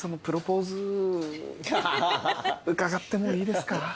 伺ってもいいですか？